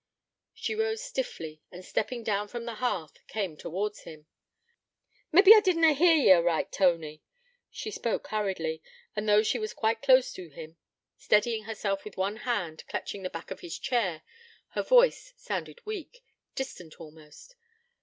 She rose stiffly, and stepping down from the hearth, came towards him. 'Mabbe I did na hear ye aright, Tony.' She spoke hurriedly, and though she was quite close to him, steadying herself with one hand clutching the back of his chair, her voice sounded weak, distant almost.